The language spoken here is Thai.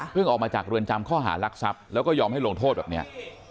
เพิ่งออกมาจากเรือนจำเข้าหารักษับแล้วก็ยอมให้ลงโทษแบบเนี้ย